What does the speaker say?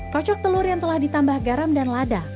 kocok telur yang telah ditambah garam dan lada